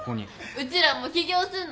うちらも起業すんの。